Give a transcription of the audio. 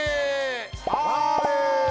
あれ！